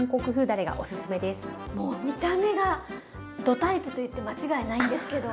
もう見た目がどタイプと言って間違いないんですけど。